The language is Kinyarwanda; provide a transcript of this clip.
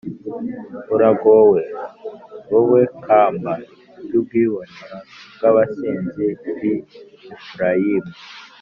Uragowe! Wowe kamba ry’ubwibone bw’abasinzi b’i Efurayimu.